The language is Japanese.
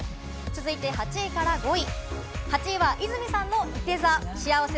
続いて８位から５位。